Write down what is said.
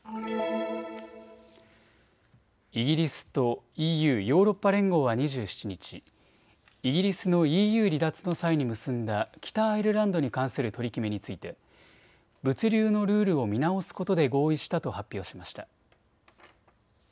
イギリスとＥＵ・ヨーロッパ連合は２７日、イギリスのＥＵ離脱の際に結んだ北アイルランドに関する取り決めについて物流のルールを見直すことで合意したと発表しました。